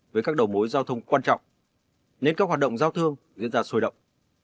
với các đầu mối giao thông quan trọng nên các hoạt động giao thương diễn ra sôi động